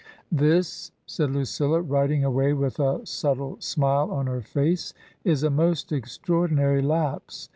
" This," said Lucilla, writing away with a subtle smile on her face, " is a most extraordinary lapse.